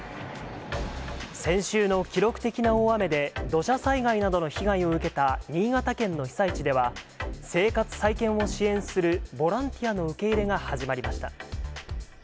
先週の記録的な大雨で、土砂災害などの被害を受けた新潟県の被災地では、生活再建を支援するボランティアの受け入れが始まりました。